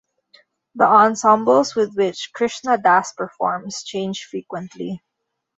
The ensembles with which Krishna Das performs change frequently.